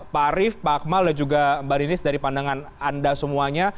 pak arief pak akmal dan juga mbak ninis dari pandangan anda semuanya